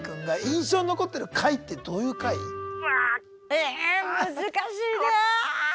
え難しいなあ！